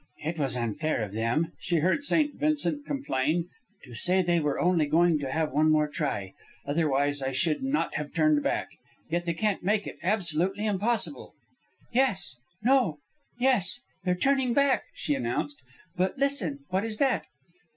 "It was unfair of them," she heard St. Vincent complain, "to say they were only going to have one more try. Otherwise I should not have turned back. Yet they can't make it absolutely impossible." "Yes ... No ... Yes! They're turning back," she announced. "But listen! What is that?"